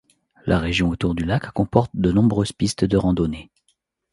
La région autour du lac comporte de nombreuses pistes de randonnée.